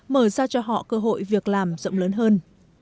mở ra cho họ cơ hội việc làm rộng lớn hơn